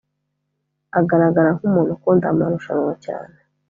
agaragara nkumuntu ukunda amamrushanwa cyane